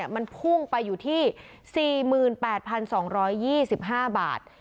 มันพุ่งไปอยู่ที่๔๘๒๒๕บาท